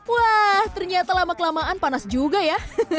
wah ternyata lama kelamaan panas juga ya